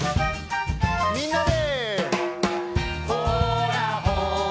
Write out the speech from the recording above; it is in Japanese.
みんなで！